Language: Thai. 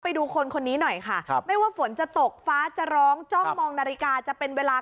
ไปดูคนคนนี้หน่อยค่ะครับไม่ว่าฝนจะตกฟ้าจะร้องจ้องมองนาฬิกาจะเป็นเวลา